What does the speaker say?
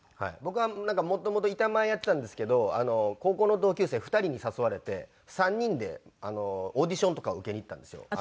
僕は元々板前やってたんですけど高校の同級生２人に誘われて３人でオーディションとかを受けにいったんですよ。